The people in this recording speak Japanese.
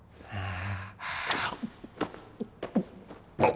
ああ。